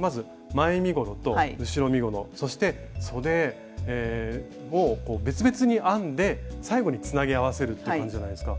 まず前身ごろと後ろ身ごろそしてそでを別々に編んで最後につなぎ合わせるって感じじゃないですか。